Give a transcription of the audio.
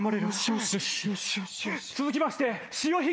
続きまして。